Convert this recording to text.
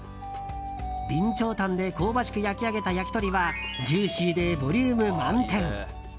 備長炭で香ばしく焼き上げた焼き鳥はジューシーでボリューム満点。